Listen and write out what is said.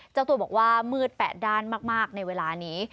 เจ้าตัวบอกว่ามืดแปดด้านมากในเวลานี้